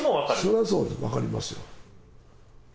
それはそうです、分かりますよ。